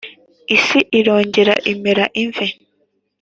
isi irongera imera imvi